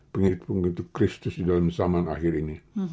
pengikut pengikut kristus di dalam zaman akhirnya